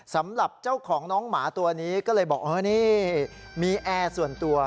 สำหรับเจ้าของน้องหมาตัวนี้ก็เลยบอกเออนี่มีแอร์ส่วนตัว